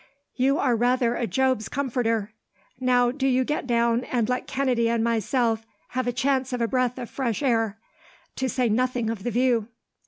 "You are rather a Job's comforter. Now, do you get down, and let Kennedy and myself have a chance of a breath of fresh air, to say nothing of the view."